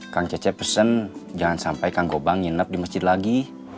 kang cece pesen jangan sampai kang gobang nginep di masjid lagi